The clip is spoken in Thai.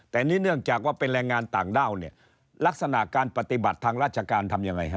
แต่นี่เนื่องจากว่าเป็นแรงงานต่างด้าวเนี่ยลักษณะการปฏิบัติทางราชการทำยังไงฮะ